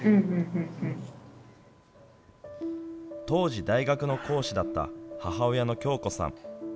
当時、大学の講師だった母親の恭子さん。